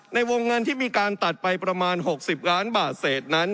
ในวงเงินที่มีการตัดไปประมาณ๖๐ล้านบาทเศษนั้น